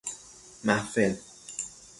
محفل